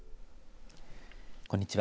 こんにちは。